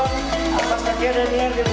pas kejadiannya diberikan sedikit